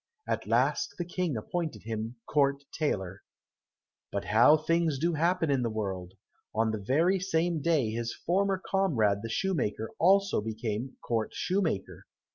At last the King appointed him court tailor. But how things do happen in the world! On the very same day his former comrade the shoemaker also became court shoemaker.